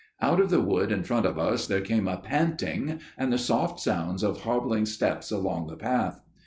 "Out of the wood in front of us there came a panting, and the soft sounds of hobbling steps along the path.